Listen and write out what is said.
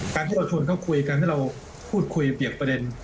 การที่เราชวนเขาคุยการที่เราพูดคุยเปรียกประเด็น